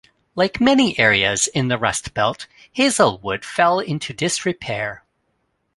Like many areas in the rust-belt, Hazelwood fell into disrepair.